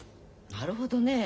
なるほどね。